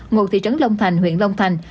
ngụ thị trấn long thành huyện long thành